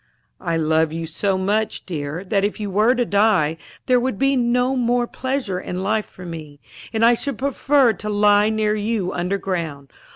"I love you so much, dear, that if you were to die, there would be no more pleasure in life for me, and I should prefer to lie near you underground.